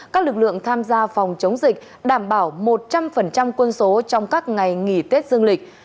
các lực lượng tham gia phòng chống dịch đảm bảo một trăm linh quân số trong các ngày nghỉ tết dương lịch